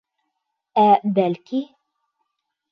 Ә, бәлки?